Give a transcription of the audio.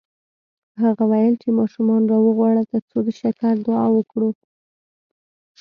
هغه وویل چې ماشومان راوغواړه ترڅو د شکر دعا وکړو